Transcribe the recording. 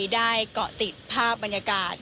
ได้เกาะติดภาพบรรยากาศ